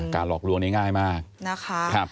กะหลอกลวงนี้ง่ายมาก